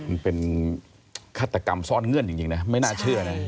มันเป็นฆาตกรรมซ่อนเงื่อนจริงนะไม่น่าเชื่อนะ